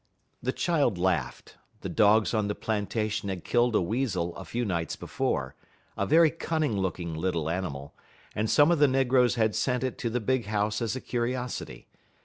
The child laughed. The dogs on the plantation had killed a weasel a few nights before, a very cunning looking little animal, and some of the negroes had sent it to the big house as a curiosity.